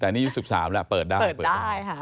แต่อันนี้อายุ๑๓แล้วเปิดได้